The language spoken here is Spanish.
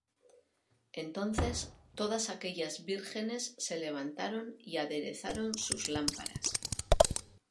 Entonces todas aquellas vírgenes se levantaron, y aderezaron sus lámparas.